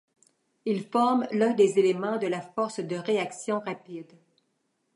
Il forme l'un des éléments de la force de réaction rapide.